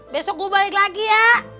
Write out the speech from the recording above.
besok gue balik lagi ya